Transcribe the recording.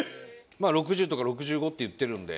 ６０とか６５って言ってるんで。